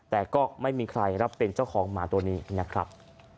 แต่ก็ไม่มีใครรับเป็นเจ้าของหมาตัวนี้นะครับ